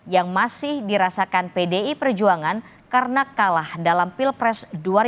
yang masih dirasakan pdi perjuangan karena kalah dalam pilpres dua ribu sembilan belas